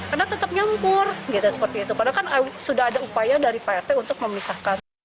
karena tetap nyampur gitu seperti itu padahal sudah ada upaya dari prt untuk memisahkan